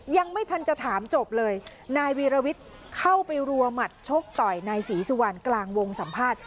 ยังไม่ทันจะถามจบเลยนายวีรวิทย์เข้าไปรัวหมัดชกต่อยนายศรีสุวรรณกลางวงสัมภาษณ์